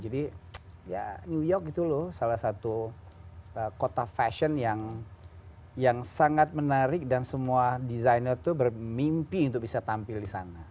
jadi ya new york itu loh salah satu kota fashion yang sangat menarik dan semua desainer itu bermimpi untuk bisa tampil di sana